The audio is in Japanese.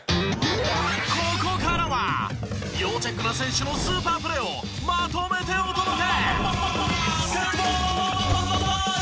ここからは要チェックな選手のスーパープレーをまとめてお届け！